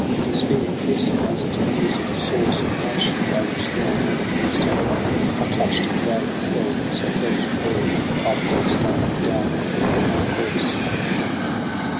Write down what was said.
In speed increasing as it nears its source Of motion — by which law all things so'er Are clutcVd and dragg'd and held — so fell she there. Like a dead stone, down in her headlong course.